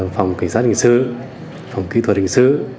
phòng cảnh sát hình sư phòng kỹ thuật hình sư